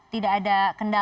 tidak ada kendala